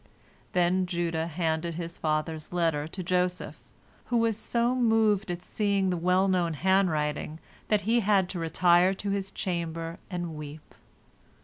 Then Judah handed his father's letter to Joseph, who was so moved at seeing the well known handwriting that he had to retire to his chamber and weep.